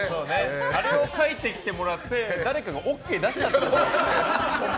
あれを書いてきてもらって誰かがＯＫ出したってことですよね。